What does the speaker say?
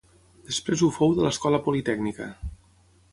Després ho fou de l'Escola Politècnica.